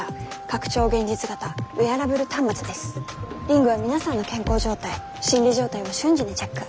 リングは皆さんの健康状態心理状態を瞬時にチェック。